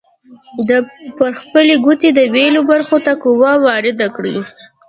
پر خپلې ګوتې د بیلو برخو ته قوه وارده کړئ.